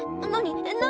何？